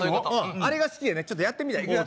あれが好きでねちょっとやってみるわいくよ